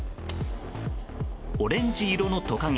オレンジ色のトカゲ。